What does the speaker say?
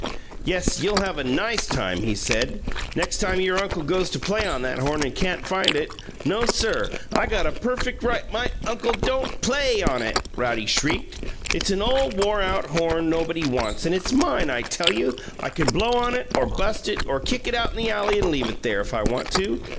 "Yes; you'll have a NICE time," he said, "next time your uncle goes to play on that horn and can't find it. No, sir; I got a perfect ri " "My uncle don't PLAY on it!" Roddy shrieked. "It's an ole wore out horn nobody wants, and it's mine, I tell you! I can blow on it, or bust it, or kick it out in the alley and leave it there, if I want to!"